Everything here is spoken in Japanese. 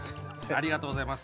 ありがとうございます。